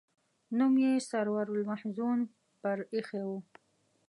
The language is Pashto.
نوم یې سرور المحزون پر ایښی و.